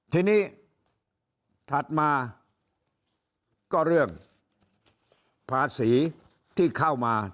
ทีนี้ถัดมาก็เรื่องภาษีที่เข้ามา